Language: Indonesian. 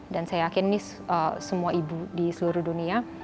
dan saya yakin ini semua ibu di seluruh dunia